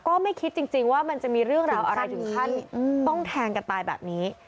ก็ไม่คิดจริงว่ามันจะมีเรื่องราวอะไรถึงขั้นต้องแทงกันตายแบบนี้